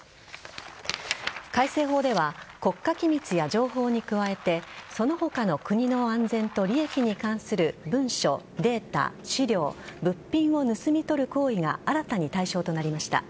改正法では国家機密や情報に加えてその他の国の安全と利益に関する文書、データ、資料物品を盗み取る行為が新たに対象となりました。